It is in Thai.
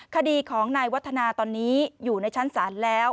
คดีของนายวัฒนาตอนนี้อยู่ในชั้นศาลแล้ว